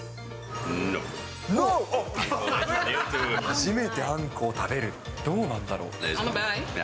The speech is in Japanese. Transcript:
初めてあんこを食べる、どうなんだろう。